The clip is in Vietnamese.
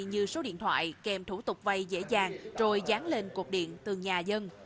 như số điện thoại kèm thủ tục vai dễ dàng rồi dán lên cuộc điện từ nhà dân